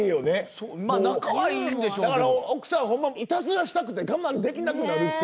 だから奥さんホンマいたずらしたくて我慢できなくなるって。